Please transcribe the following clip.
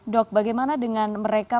dok bagaimana dengan mereka